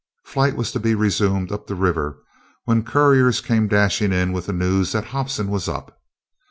Flight was to be resumed up the river, when couriers came dashing in with the news that Hobson was up.